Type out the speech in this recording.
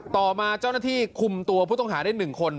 ต่อมาเจ้าหน้าที่คุมตัวผู้ต้องหาได้๑คน